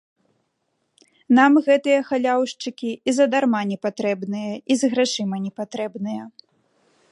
Нам гэтыя халяўшчыкі і задарма непатрэбныя і з грашыма не патрэбныя.